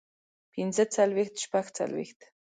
پنځۀ څلوېښت شپږ څلوېښت